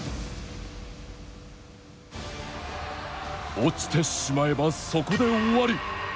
落ちてしまえば、そこで終わり。